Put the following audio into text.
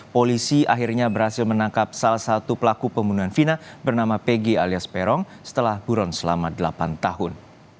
polisi akhirnya berhasil menangkap salah satu pelaku pembunuhan vina bernama pg alias peron setelah buron selama delapan tahun